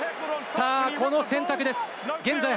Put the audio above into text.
ここで選択です。